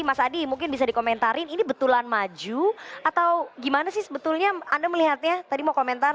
mas adi mungkin bisa dikomentarin ini betulan maju atau gimana sih sebetulnya anda melihatnya tadi mau komentar